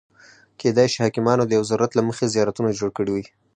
کېدای شي حاکمانو د یو ضرورت له مخې زیارتونه جوړ کړي وي.